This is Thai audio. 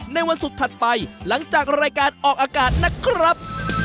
วันศุกร์ถัดไปหลังจากรายการออกอากาศนะครับ